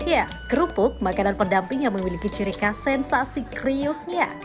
ya kerupuk makanan pendamping yang memiliki cirika sensasi kriuknya